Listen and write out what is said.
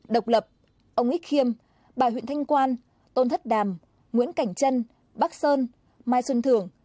độc lập ông ít khiêm bà huyện thanh quan tôn thất đàm nguyễn cảnh trân bác sơn mai xuân thường